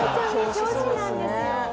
表紙なんですよ。